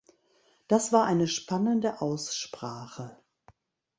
Das war eine spannende Aussprache.